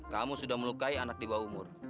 kamu sudah melukai anak di bawah umur